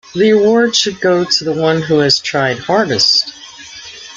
The award should go to the one who has tried hardest.